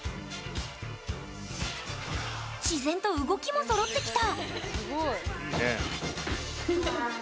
自然と動きもそろってきた！